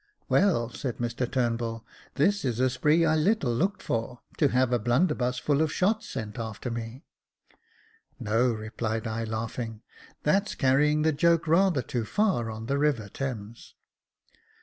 "Well," said Mr TurnbuU, "this is a spree I little looked for ; to have a blunderbuss full of shot sent after me." "No," replied I, laughing, "that's carrying the joke rather too far on the River Thames."